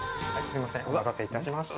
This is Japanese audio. お待たせいたしました。